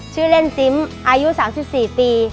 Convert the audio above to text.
ชื่อเล่นซิมอายุ๓๔ปี